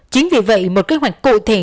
chính vì vậy một kế hoạch cụ thể